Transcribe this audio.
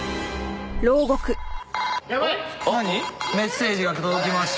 メッセージが届きました。